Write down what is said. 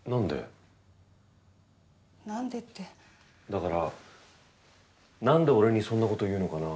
だから何で俺にそんなこと言うのかな？